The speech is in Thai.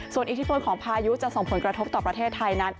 ส่วนอิทธิพลของพายุจะส่งผลกระทบต่อประเทศไทยนั้น